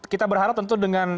kita berharap tentu dengan